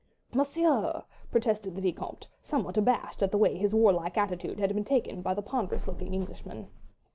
"Monsieur!" protested the Vicomte, somewhat abashed at the way his warlike attitude had been taken by the ponderous looking Englishman.